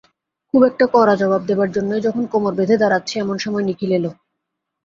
খুব একটা কড়া জবাব দেবার জন্যই যখন কোমর বেঁধে দাঁড়াচ্ছি এমন সময় নিখিল এল।